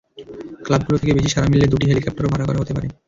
ক্লাবগুলো থেকে বেশি সাড়া মিললে দুটি হেলিকপ্টারও ভাড়া করা হতে পারে।